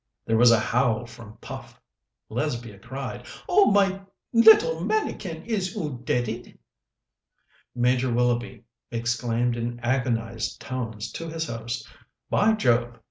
There was a howl from Puff; Lesbia cried, "Oh, my little manikin, is 'oo deaded?" Major Willoughby exclaimed in agonized tones to his host, "By Jove!